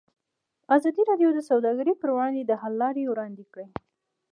ازادي راډیو د سوداګري پر وړاندې د حل لارې وړاندې کړي.